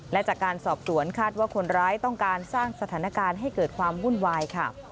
และจากการสอบสวนคาดว่าคนร้ายต้องการสร้างสถานการณ์ให้เกิดความวุ่นวายค่ะ